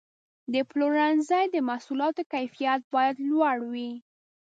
د پلورنځي د محصولاتو کیفیت باید لوړ وي.